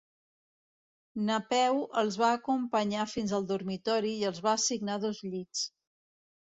Napeu els va acompanyar fins al dormitori i els va assignar dos llits.